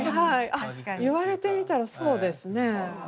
あっ言われてみたらそうですねえ。